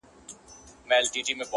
هر څوک خپل درد لري تل,